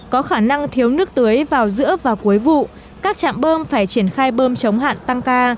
có khả năng thiếu nước tưới vào giữa và cuối vụ các trạm bơm phải triển khai bơm chống hạn tăng ca